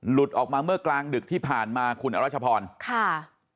หลุดออกมาเมื่อกลางดึกที่ผ่านมาคุณอรัชพรค่ะ